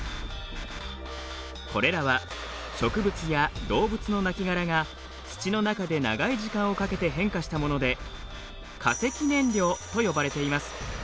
これらは植物や動物のなきがらが土の中で長い時間をかけて変化したもので化石燃料と呼ばれています。